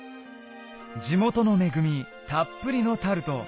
地元の恵みたっぷりのタルト